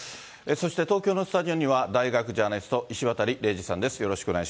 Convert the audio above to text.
そして東京のスタジオには、大学ジャーナリスト、石渡嶺司さんです。